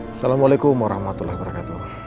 assalamualaikum warahmatullahi wabarakatuh